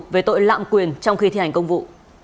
về tội lạm quyền trong khi thi hành công vụ